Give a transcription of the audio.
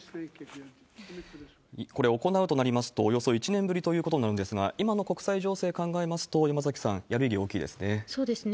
これ、行うとなりますと、およそ１年ぶりということになるんですが、今の国際情勢考えますと、山崎さん、そうですね。